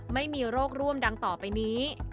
ไม่มีโรคร่วมดังต่อไปนี้